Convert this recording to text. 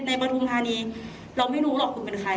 ปฐุมธานีเราไม่รู้หรอกคุณเป็นใคร